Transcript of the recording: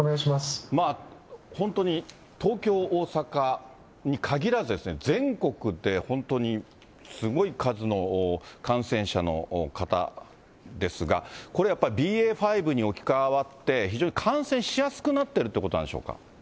本当に東京、大阪に限らず、全国で本当にすごい数の感染者の方ですが、これやっぱりＢＡ．５に置き換わって、非常に感染しやすくなっているということでしょうか。